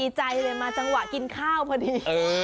ใจเลยมาจังหวะกินข้าวพอดี